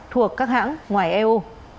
thuộc các hãng ngoài eu